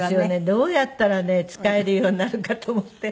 どうやったらね使えるようになるかと思って。